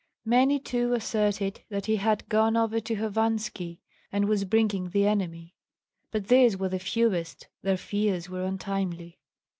Many too asserted that he had gone over to Hovanski and was bringing the enemy; but these were the fewest, their fears were untimely.